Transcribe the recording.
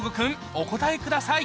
お答えください